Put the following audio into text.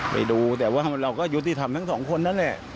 ไปดูแต่ว่าเราก็ยุติธรรมทั้งสองคนนั่นแหละ